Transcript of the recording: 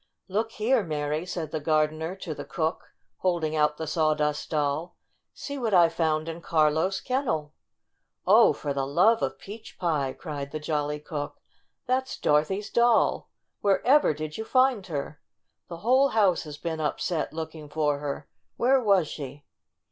"Look here, Mary," said the gardener to the cook, holding out the Sawdust Doll. "See what I found in Carlo's kennel." "Oh, for the love of peach pie!" cried the jolly cook. "That's Dorothy's doll! Where ever did you find her ? The whole house has been upset looking for her. Where was she?"